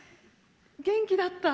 元気だった？